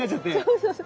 そうそうそう。